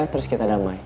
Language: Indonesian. terus kita damai